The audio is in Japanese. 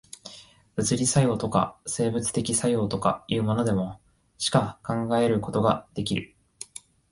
物理作用とか、生物的作用とかいうものでも、しか考えることができる。